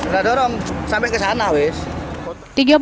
setelah dorong sampai ke sana